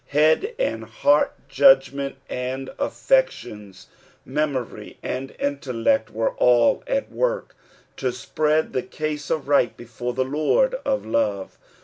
Head and heart, judgment and affeetions, memory and intellect were all at work to spread the case aright before the Lord of love.